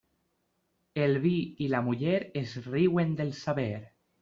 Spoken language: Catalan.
El vi i la muller es riuen del saber.